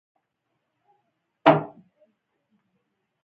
زموږ پر ښارونو، بازارونو، او کوڅو